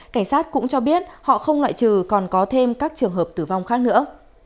cảnh sát cũng cho biết họ không loại trừ còn có thêm các trường hợp tử vong khác nữa